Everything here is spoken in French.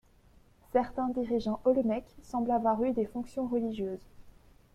Certains dirigeants olmèques semblent avoir eu des fonctions religieuses.